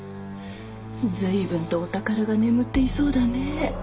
随分とお宝が眠っていそうだねえ。